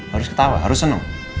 harus ketawa harus seneng